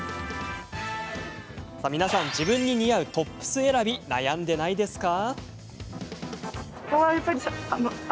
皆さん自分に似合うトップス選び悩んでないですか？